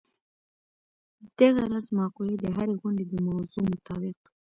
دغه راز مقولې د هرې غونډې د موضوع مطابق.